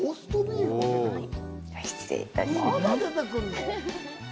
失礼いたします。